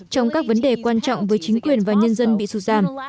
trong các vấn đề quan trọng với chính quyền và nhân dân bị sụt giảm